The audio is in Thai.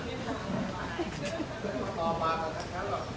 กินก้าวไปแล้ว